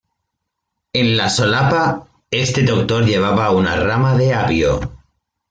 En la solapa, este Doctor llevaba una rama de apio.